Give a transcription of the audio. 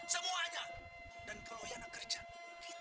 semua orang yang ada di desa ini anak gadisnya yuadilah semuanya